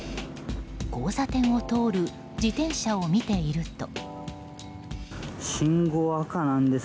交差点を通る自転車を見ていると。